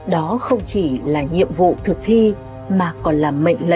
đó không chỉ là nhiệm vụ thực thi mà còn là mệnh lệnh từng ngày